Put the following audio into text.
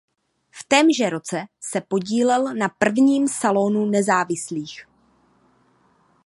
V témže roce se podílel na prvním Salonu nezávislých.